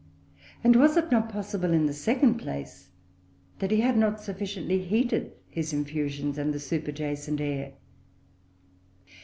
And was it not possible, in the second place, that he had not sufficiently heated his infusions and the superjacent air?